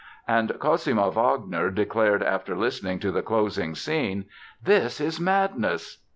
And Cosima Wagner declared after listening to the closing scene: "This is madness!"